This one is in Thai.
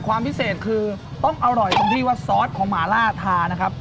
ความพิเศษคือต้องอร่อยตรงที่ว่าซอสของหมาล่าทานะครับ